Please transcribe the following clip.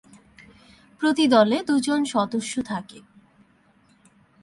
প্রতি দলে দুজন সদস্য থাকে।